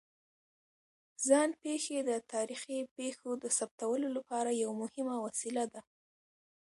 ځان پېښې د تاریخي پېښو د ثبتولو لپاره یوه مهمه وسیله ده.